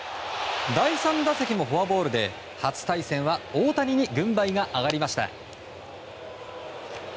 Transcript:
第３打席もフォアボールで初対戦は大谷に軍配が上がりました。